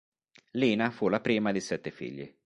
Lina fu la prima di sette figli.